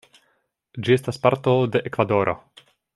Ĝi estas parto de Ekvadoro.